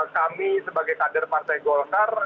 kami sebagai kader partai golkar